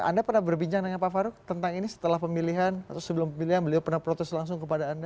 anda pernah berbincang dengan pak faruk tentang ini setelah pemilihan atau sebelum pemilihan beliau pernah protes langsung kepada anda